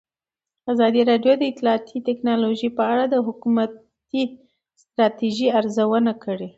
ازادي راډیو د اطلاعاتی تکنالوژي په اړه د حکومتي ستراتیژۍ ارزونه کړې.